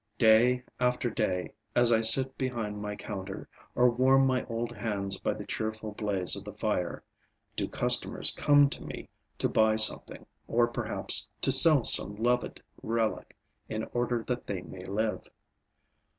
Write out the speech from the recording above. Day after day, as I sit behind my counter, or warm my old hands by the cheerful blaze of the fire, do customers come to me to buy something or perhaps to sell some loved relic in order that they may live.